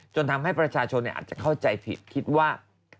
ทำให้ประชาชนอาจจะเข้าใจผิดคิดว่า